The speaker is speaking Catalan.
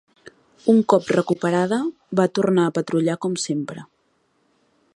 Un cop recuperada, va tornar a patrullar com sempre.